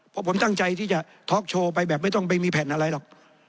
เพราะผมตั้งใจที่จะท็อกโชว์ไปแบบไม่ต้องไปมีแผ่นอะไรหรอก